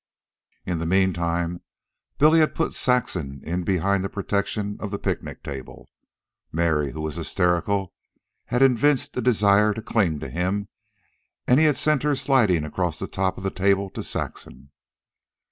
In the meantime, Billy had put Saxon in behind the protection of the picnic table. Mary, who was hysterical, had evinced a desire to cling to him, and he had sent her sliding across the top of the table to Saxon.